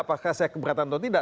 apakah saya keberatan atau tidak